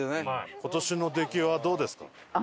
今年の出来はどうですか？